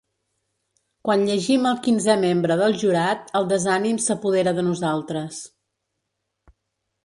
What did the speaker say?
Quan llegim el quinzè membre del jurat el desànim s'apodera de nosaltres.